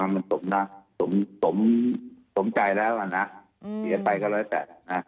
ถึงทำมันสมใจแล้วนะที่จะไปก็ร้อยแต่